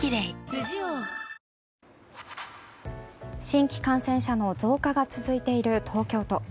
新規感染者の増加が続いている東京都。